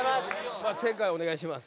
正解お願いします